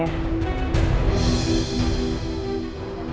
pasti sama merepotkannya